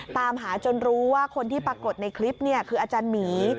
ตามหาจนรู้ว่าคนที่ปรากฏในคลิปคืออาจารย์หมี